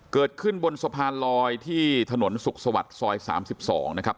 เกิดขึ้นบนสะพานลอยที่ถนนสุขสวัสดิ์ซอย๓๒นะครับ